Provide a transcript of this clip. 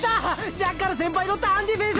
ジャッカル先輩のターンディフェンス！